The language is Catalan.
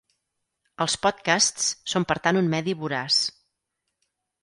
Els podcasts són per tant un medi voraç.